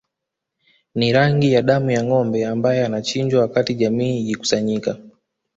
Ni rangi ya damu ya ngombe ambae anachinjwa wakati jamii ikikusanyika